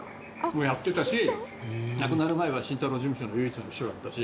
やってたし亡くなる前は慎太郎事務所の唯一の秘書だったし。